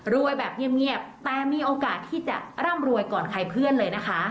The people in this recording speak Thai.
แบบเงียบแต่มีโอกาสที่จะร่ำรวยก่อนใครเพื่อนเลยนะคะ